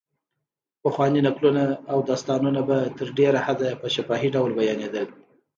پخواني نکلونه او داستانونه په تر ډېره حده په شفاهي ډول بیانېدل.